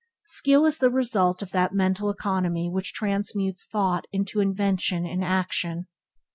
Skill is the result of that mental economy which transmutes thought into invention and action.